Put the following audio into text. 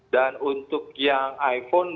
dan untuk yang iphone